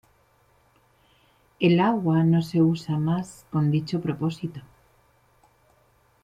El agua no se usa más con dicho propósito.